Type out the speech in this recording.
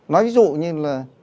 nói ví dụ như là